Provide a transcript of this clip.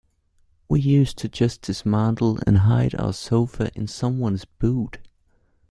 We used to just dismantle and hide our sofa in someone's boot.